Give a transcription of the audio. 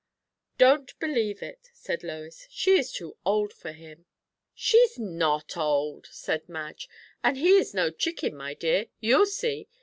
"I don't believe it," said Lois. "She is too old for him." "She's not old," said Madge. "And he is no chicken, my dear. You'll see.